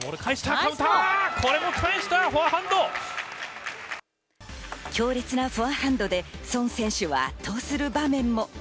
カウンター、これも強烈なフォアハンドでソン選手を圧倒する場面も。